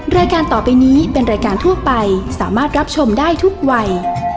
รายการต่อไปนี้เป็นรายการทั่วไปสามารถรับชมได้ทุกวัย